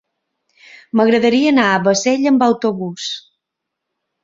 M'agradaria anar a Bassella amb autobús.